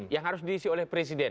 yang harus diisi oleh presiden